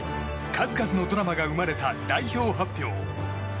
数々のドラマが生まれた代表発表。